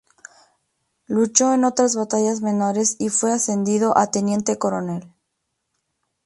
Luchó en otras batallas menores y fue ascendido a teniente coronel.